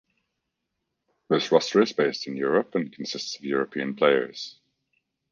This roster is based in Europe and consists of European players.